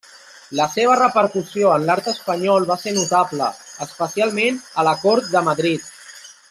La seva repercussió en l'art espanyol va ser notable, especialment a la cort de Madrid.